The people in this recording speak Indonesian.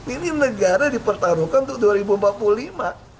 ini negara dipertaruhkan untuk dua ribu empat puluh lima